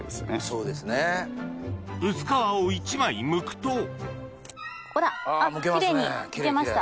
薄皮を１枚むくとほらキレイにむけました。